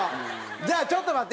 じゃあちょっと待って。